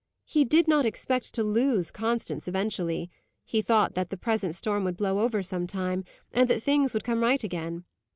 He did not expect to lose Constance eventually; he thought that the present storm would blow over some time, and that things would come right again.